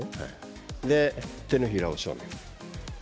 手のひらを正面。